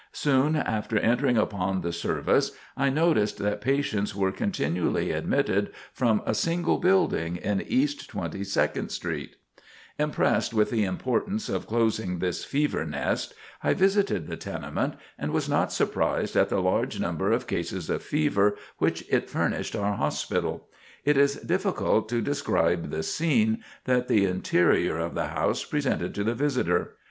Soon after entering upon the service, I noticed that patients were continually admitted from a single building in East Twenty second Street. [Sidenote: A Fever Nest] Impressed with the importance of closing this fever nest, I visited the tenement and was not surprised at the large number of cases of fever which it furnished our hospital. It is difficult to describe the scene that the interior of the house presented to the visitor.